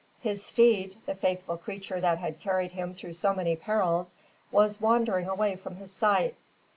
His steed, the faithful creature that had carried him through so many perils, was wandering away from his sight.